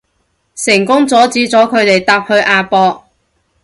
成功阻止咗佢哋搭去亞博